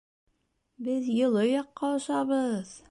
Беҙ йылы яҡҡа осабыҙ!